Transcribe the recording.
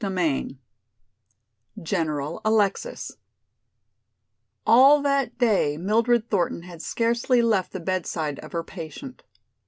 CHAPTER III General Alexis All that day Mildred Thornton had scarcely left the bedside of her patient.